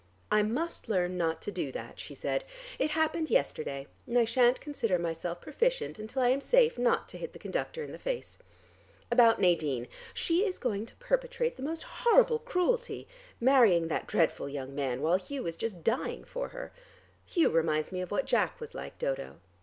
"I must learn not to do that," she said. "It happened yesterday and I shan't consider myself proficient until I am safe not to hit the conductor in the face. About Nadine: She is going to perpetrate the most horrible cruelty, marrying that dreadful young man, while Hugh is just dying for her. Hugh reminds me of what Jack was like, Dodo."